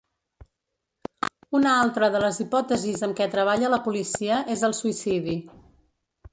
Una altra de les hipòtesis amb què treballa la policia és el suïcidi.